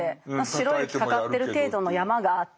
白い雪かかってる程度の山がって。